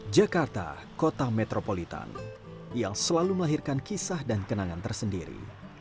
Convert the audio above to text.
jakarta kota metropolitan yang selalu melahirkan kisah dan kenangan tersendiri